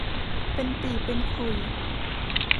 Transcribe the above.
เป็นปี่เป็นขลุ่ย